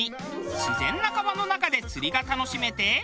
自然な川の中で釣りが楽しめて。